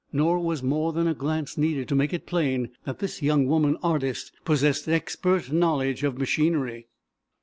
Nor was more than a glance needed to make it plain that this young woman artist possessed expert knowledge of machinery.